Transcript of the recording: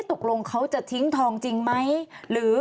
ตกลงเขาจะทิ้งทองจริงไหมหรือ